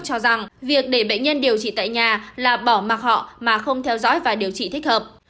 cho rằng việc để bệnh nhân điều trị tại nhà là bỏ mặc họ mà không theo dõi và điều trị thích hợp